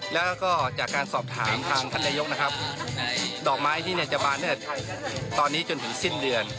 แล้วก็จากการสอบถามทางท่านในยก้ร์ดอกไม้ที่เนี่ยจะบานตั้งแต่ตอนนี้จนถึงสิ้นเดือน